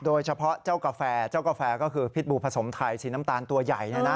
เจ้ากาแฟเจ้ากาแฟก็คือพิษบูผสมไทยสีน้ำตาลตัวใหญ่